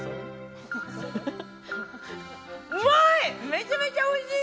うまい！